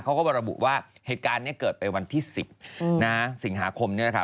เขาก็ระบุว่าเหตุการณ์นี้เกิดไปวันที่๑๐สิงหาคมนี่แหละค่ะ